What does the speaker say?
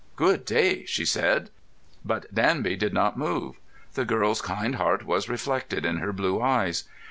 "Good day!" she said. But Danby did not move. The girl's kind heart was reflected in her blue eyes.